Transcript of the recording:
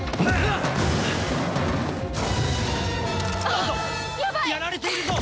あっやばい！やられているぞ！